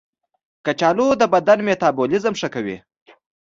کچالو د بدن میتابولیزم ښه کوي.